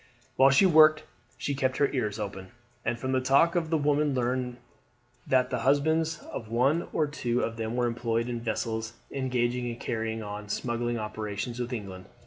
While she worked she kept her ears open, and from the talk of the women learned that the husbands of one or two of them were employed in vessels engaged in carrying on smuggling operations with England.